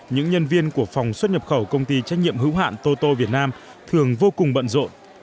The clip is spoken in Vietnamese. những nhân viên của phòng xuất nhập khẩu công ty trách nhiệm hữu hạn toto việt nam thường vô cùng bận rộn